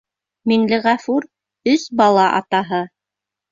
Миңлеғәфүр — өс бала атаһы.